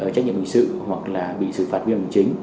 trách nhiệm hình sự hoặc là bị xử phạt viên hình chính